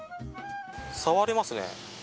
触れますね。